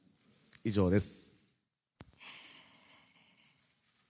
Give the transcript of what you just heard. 以上です。